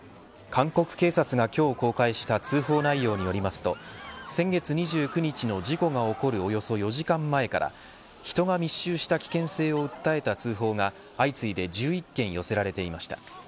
韓国警察が今日公開した通報内容によりますと先月２９日の事故が起こるおよそ４時間前から人が密集した危険性を訴えた通報が相次いで１１件寄せられていました。